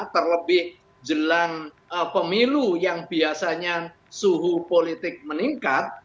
terlebih jelang pemilu yang biasanya suhu politik meningkat